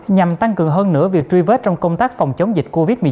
nhằm tăng cường hơn nữa việc truy vết trong công tác phòng chống dịch covid một mươi chín